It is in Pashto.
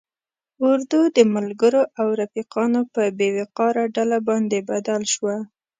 اردو د ملګرو او رفیقانو په بې وقاره ډله باندې بدل شوه.